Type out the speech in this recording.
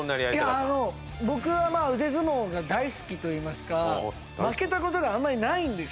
いやあの僕はまあ腕相撲が大好きといいますか負けた事があんまりないんです。